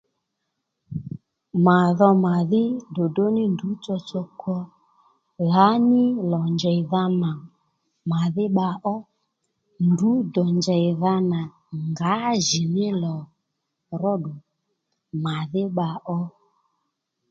Mà dho màdhí ddròddró ní ndrǔ tsotso kwo lǎní lò njèydha nà màdhí bba ó ndrǔ dò njèydha nà ngǎjìní lò ró ddù màdhí bba ó